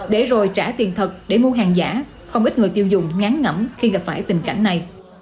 để rồi trả tiền thật để mua hàng giả không ít người tiêu dùng ngán ngẩm khi gặp phải tình cảnh này